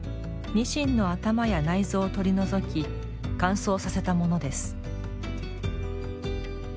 にしんの頭や内臓を取り除き乾燥させたものです。